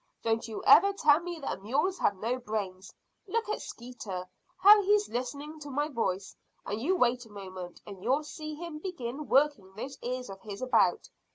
Don't you ever tell me that mules have no brains. Look at Skeeter, how he's listening to my voice, and you wait a moment and you'll see him begin working those ears of his about.